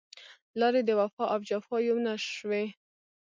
لارې د وفا او جفا يو نه شوې